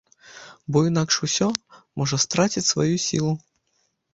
Бо інакш усё можа страціць сваю сілу.